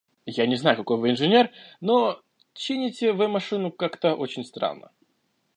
– Я не знаю, какой вы инженер, но… чините вы машину как-то очень странно.